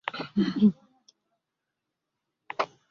walikuwa wanayapenyesha penyesha kwa viongozi wa dini